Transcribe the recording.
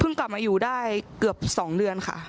กลับมาอยู่ได้เกือบ๒เดือนค่ะ